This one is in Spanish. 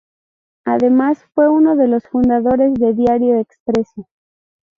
Además, Fue uno de los fundadores de diario Expreso.